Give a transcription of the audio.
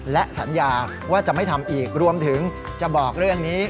และสัญญาว่าจะไม่ทำอีกรวมถึงจะบอกเรื่องนี้